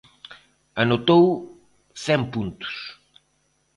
Anotou cen puntos.